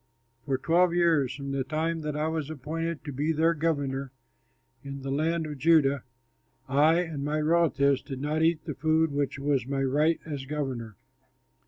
For twelve years from the time that I was appointed to be their governor in the land of Judah, I and my relatives did not eat the food which was my right as governor.